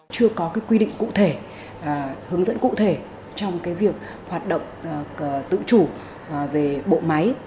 chưa có cái quy định cụ thể hướng dẫn cụ thể trong việc hoạt động tự chủ về bộ máy